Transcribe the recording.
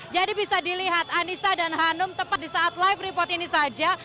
jadi bisa dilihat anissa dan hanum tepat di saat live report ini saja